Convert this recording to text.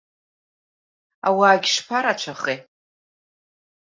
Ауаагьы шԥарацәахеи!